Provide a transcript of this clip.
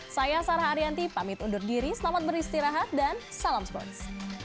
saya sarah ariyanti pamit undur diri selamat beristirahat dan salam sports